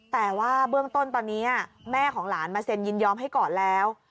แต่ว่าเบื้องต้นตอนนี้แม่ของหลานมาเซ็นยินยอมให้ก่อนแล้ว